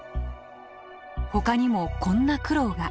ほかにもこんな苦労が。